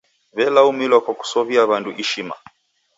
W'elaumilwa kwa kusow'ia w'andu ishima.